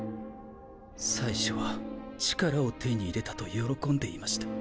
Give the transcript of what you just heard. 最初は力を手に入れたと喜んでいました。